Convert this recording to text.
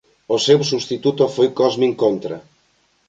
O seu substituto foi Cosmin Contra.